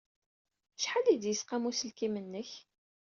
Acḥal ay d-yesqam uselkim-nnek?